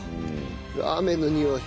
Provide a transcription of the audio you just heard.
ラーメンのにおい。